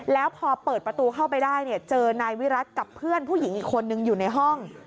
แล้วพอเปิดประตูเข้าไปได้เนี่ยเจอนายวิรัติกับเพื่อนผู้หญิงอีกคนนึงอยู่ในห้อง